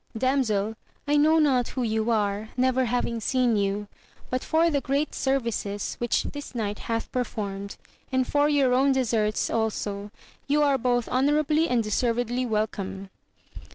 Damsel, I know not who you are, never having seen you ; but for the great services which this knight hath performed, and for your own deserts also, you are both honourably and deservedly welcome.